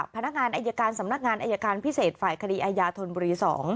พนักงานอายการสำนักงานอายการพิเศษฝ่ายคดีอายาธนบุรี๒